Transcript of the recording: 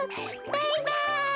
バイバイ！